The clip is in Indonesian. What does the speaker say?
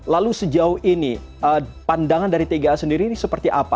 lalu sejauh ini pandangan dari tga sendiri ini seperti apa